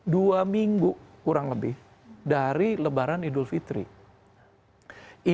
dua minggu kurang lebih dari lebaran idul fitri